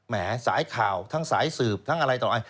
หมายสายข่าวทั้งสายสืบทั้งอะไรต่ออะไร